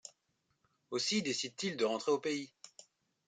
Aussi décide-t-il de rentrer au pays.